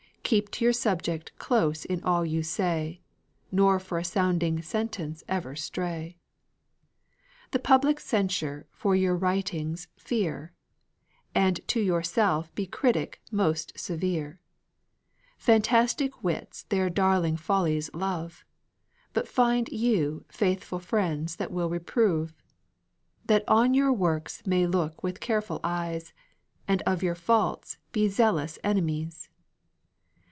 Keep to your subject close in all you say, Nor for a sounding sentence ever stray. The public censure for your writings fear, And to yourself be critic most' severe; Fantastic wits their darling follies love, But find you faithful friends that will reprove, That on your works may look with careful eyes, And of your faults be zealous enemies.